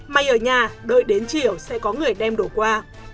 mà ở nhà đợi đến chiều sẽ có người đem đổ qua